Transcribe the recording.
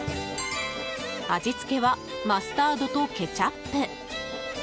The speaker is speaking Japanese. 味付けはマスタードとケチャップ。